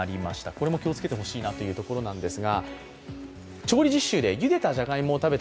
これも気をつけてほしいところです。